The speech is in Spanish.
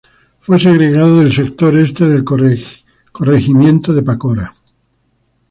Fue segregado del sector este del corregimiento de Pacora.